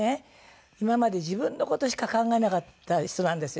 今まで自分の事しか考えなかった人なんですよ。